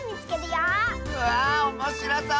わあおもしろそう！